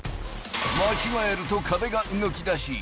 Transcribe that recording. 間違えると壁が動きだし